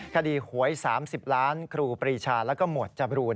คดีหวย๓๐ล้านครูปรีชาแล้วก็หมวดจบรูน